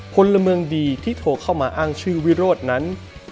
พลเมืองดีที่โทรเข้ามาอ้างชื่อวิโรธนั้น